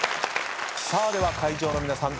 では会場の皆さん